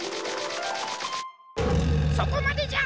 そこまでじゃ！